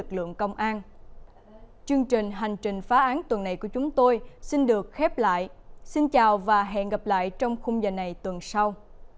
chương trình hành trình phá án tuần này của chúng tôi xin được khép lại xin chào và hẹn gặp lại trong khung giờ này tuần sau